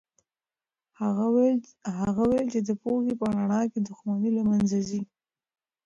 هغه وویل چې د پوهې په رڼا کې دښمني له منځه ځي.